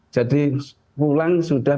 jadi pulang sudah